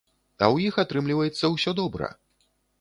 А ў іх атрымліваецца ўсё добра.